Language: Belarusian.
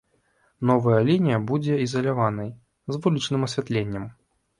Новая лінія будзе ізаляванай, з вулічным асвятленнем.